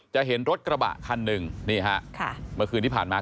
เห็นรถกระบะคันหนึ่งนี่ฮะค่ะเมื่อคืนที่ผ่านมา